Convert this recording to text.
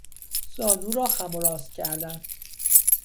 زانو را خم و راست کردن